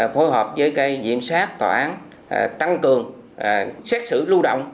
phối hợp với cái diễm sát tòa án tăng cường xét xử lưu động